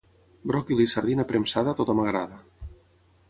Bròquil i sardina premsada a tothom agrada.